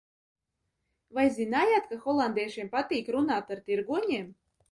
Vai zinājāt, ka holandiešiem patīk runāt ar tirgoņiem?